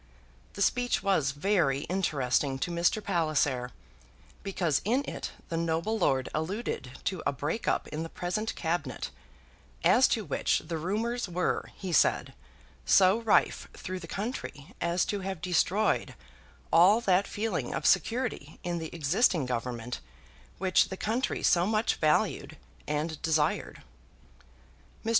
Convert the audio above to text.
The speech was very interesting to Mr. Palliser, because in it the noble lord alluded to a break up in the present Cabinet, as to which the rumours were, he said, so rife through the country as to have destroyed all that feeling of security in the existing Government which the country so much valued and desired. Mr.